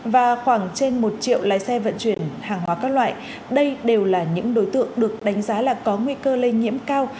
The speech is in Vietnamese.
và khoảng trên một triệu lái xe vận chuyển hàng hóa các loại đây đều là những đối tượng được đánh giá là có nguy cơ lây nhiễm cao